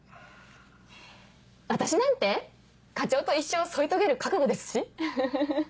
私なんて課長と一生添い遂げる覚悟ですしウフフ。